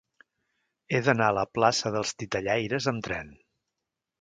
He d'anar a la plaça dels Titellaires amb tren.